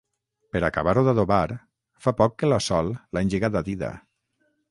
Per acabar-ho d'adobar, fa poc que la Sol l'ha engegat a dida.